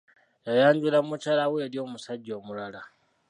Yayanjula mukyala we eri omusajja omulala.